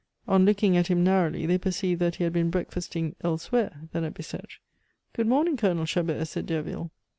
On looking at him narrowly, they perceived that he had been breakfasting elsewhere than at Bicetre. "Good morning, Colonel Chabert," said Derville.